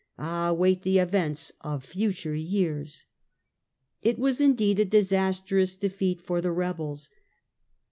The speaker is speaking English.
Ah, wait the events of future years !" It was indeed a disastrous defeat for the rebels.